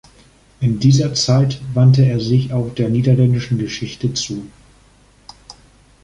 In dieser Zeit wandte er sich auch der niederländischen Geschichte zu.